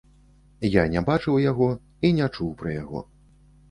Я не бачыў яго і не чуў пра яго.